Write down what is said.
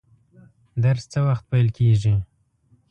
درس څه وخت پیل کیږي؟